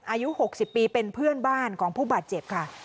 อายุ๖๐ปีเป็นเพื่อนบ้านของผู้บาดเจ็บค่ะ